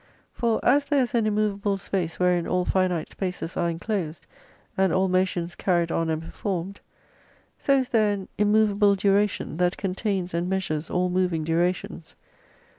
For as there is an immovable space wherein all finite spaces are enclosed, and all motions carried on and performed ; so is there an immovable duration, that contains and measures all moving durations.